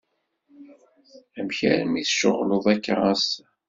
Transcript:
Amek armi tceɣleḍ akka assa?